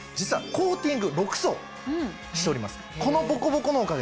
コーティング６層しております。